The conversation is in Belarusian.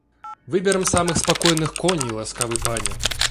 Выберам самых спакойных коней, ласкавы пане!